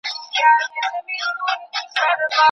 په پردیو به سپک سوی استقلال وي